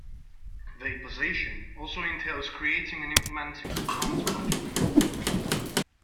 The position also entails creating and implementing the town's budget.